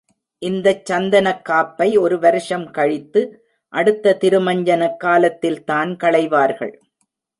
இந்தச் சந்தனக்காப்பை ஒரு வருஷம் கழித்து அடுத்த திருமஞ்சனக் காலத்தில்தான் களைவார்கள்.